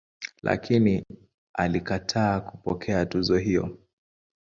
Lakini alikataa kupokea tuzo hiyo.